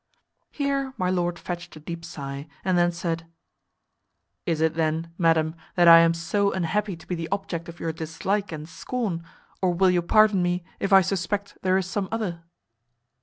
Here my lord fetched a deep sigh, and then said "Is it then, madam, that I am so unhappy to be the object of your dislike and scorn; or will you pardon me if I suspect there is some other?"